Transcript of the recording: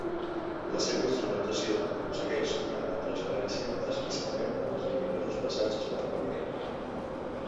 La seva instrumentació aconsegueix una gran transparència, especialment en els lluminosos passatges per a corda.